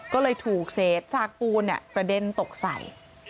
ก็เลยถูกเศษซากปูนกระเด็นตกใส่